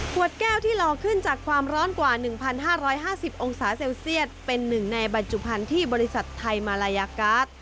วดแก้วที่รอขึ้นจากความร้อนกว่า๑๕๕๐องศาเซลเซียตเป็นหนึ่งในบรรจุภัณฑ์ที่บริษัทไทยมาลายยากาศ